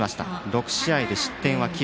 ６試合で失点は９。